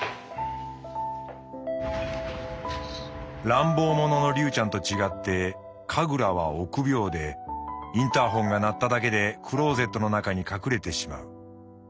「乱暴者のリュウちゃんとちがってカグラは臆病でインターホンが鳴っただけでクローゼットのなかに隠れてしまう。